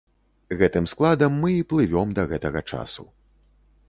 Гэтым складам мы і плывём да гэтага часу.